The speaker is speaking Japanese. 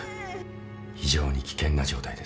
非常に危険な状態です。